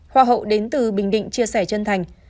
hoa hậu đến từ bình định chia sẻ chân thành